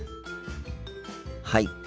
はい。